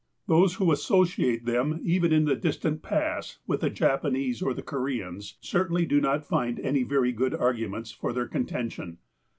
Those who associate them, even iu the distant past, with the Japanese or the Koreans, certainly do not find any very good arguments for their contention.